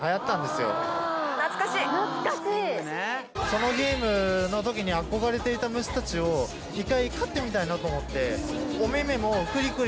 そのゲームの時に憧れていた虫たちを一回飼ってみたいなと思って。